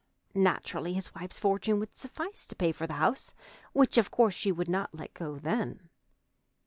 Naturally, his wife's fortune would suffice to pay for the house, which of course she would not let go then.